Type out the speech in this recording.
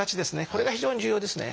これが非常に重要ですね。